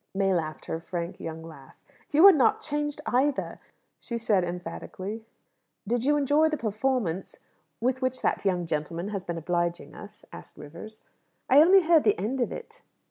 May laughed her frank young laugh. "You're not changed either!" she said emphatically. "Did you enjoy the performance with which that young gentleman has been obliging us?" asked Rivers. "I only heard the end of it."